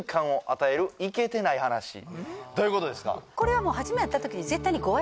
どういうことですか？